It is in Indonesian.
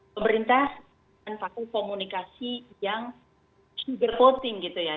pemerintah dan fakultas komunikasi yang berpotensi gitu ya